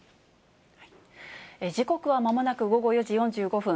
時刻はまもなく午後４時４５分。